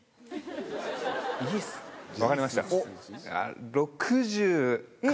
分かりました。